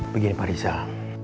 begini pak rizal